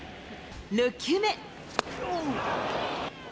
６球目。